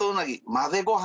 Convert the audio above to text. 混ぜご飯？